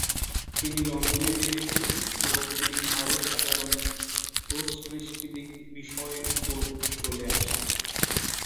তিনি লন্ডনে বেড়ে উঠেছেন এবং তিনি আরও সাধারণ ক্রস সাংস্কৃতিক বিষয় উপর চলে আসেন।